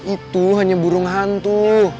itu hanya burung hantu